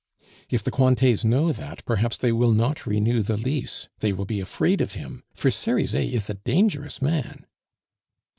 "If the Cointets know that, perhaps they will not renew the lease. They will be afraid of him, for Cerizet is a dangerous man."